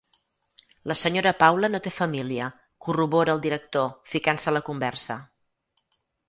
La senyora Paula no té família —corrobora el director, ficant-se a la conversa.